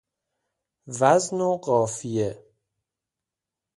وزن و قافیه